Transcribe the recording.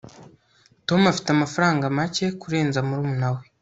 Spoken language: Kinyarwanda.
tom afite amafaranga make kurenza murumuna we